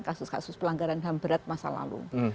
kasus kasus pelanggaran ham berat masa lalu